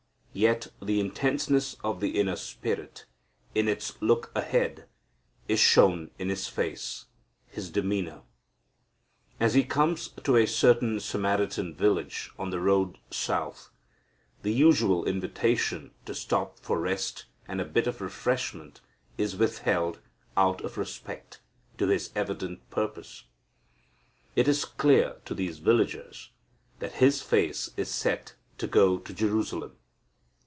Yet the intenseness of the inner spirit, in its look ahead, is shown in His face, His demeanor. As He comes to a certain Samaritan village on the road south, the usual invitation to stop for rest and a bit of refreshment is withheld out of respect to His evident purpose. It is clear to these villagers that His face is set to go to Jerusalem.